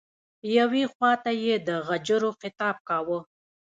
یوې خواته یې د غجرو خطاب کاوه.